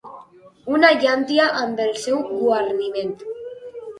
Una llàntia amb el seu guarniment.